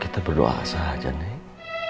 kita berdoa saja nek